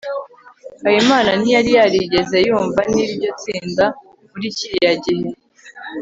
habimana ntiyari yarigeze yumva n'iryo tsinda muri kiriya gihe